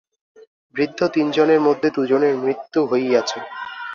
বৃদ্ধ তিনজনের মধ্যে দুজনের মৃত্যু হইয়াছে।